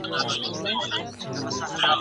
هلک نور له انا څخه هېڅ وېره نه لري.